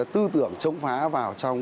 tư tưởng chống phá vào trong